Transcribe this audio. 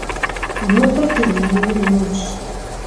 Nobe dunêyr 'êyş.